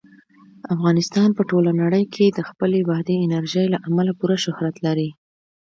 افغانستان په ټوله نړۍ کې د خپلې بادي انرژي له امله پوره شهرت لري.